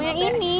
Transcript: oh yang ini